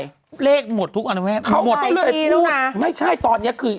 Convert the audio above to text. เลขหมดทุกอันไว้เขาหมดก็เลยพูดไม่ใช่ตอนนี้คือ